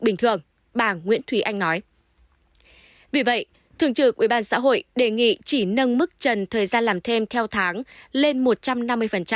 vì vậy thượng trưởng ubxh đề nghị chỉ nâng mức trần thời gian làm thêm theo tháng lên một trăm năm mươi